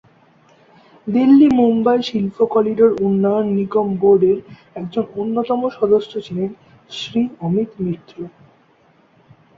দিল্লি-মুম্বই শিল্প করিডোর উন্নয়ন নিগম বোর্ডের একজন অন্যতম সদস্য ছিলেন শ্রী অমিত মিত্র।